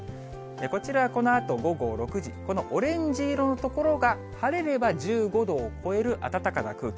こちら、このあと午後６時、このオレンジ色の所が、晴れれば１５度を超える暖かな空気。